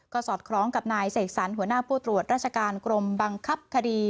ก็สอดคล้องกับนายเสกสรรหัวหน้าผู้ตรวจราชการกรมบังคับคดี